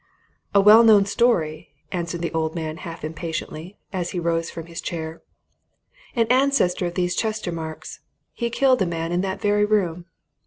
"A well known story!" answered the old man half impatiently, as he rose from his chair. "An ancestor of these Chestermarkes he killed a man in that very room.